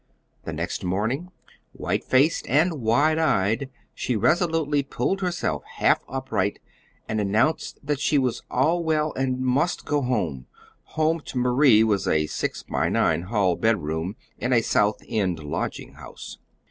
The next morning, white faced and wide eyed, she resolutely pulled herself half upright, and announced that she was all well and must go home home to Marie was a six by nine hall bed room in a South End lodging house.